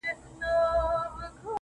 د تورو سترگو وه سورخۍ ته مي.